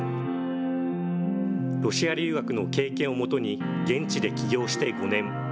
ロシア留学の経験をもとに、現地で起業して５年。